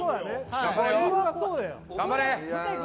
頑張れ！